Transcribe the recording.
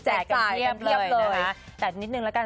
แจกกันเทียบเลยนะคะ